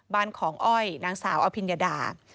บ้านของอ้อยนางสาวอภิญญดา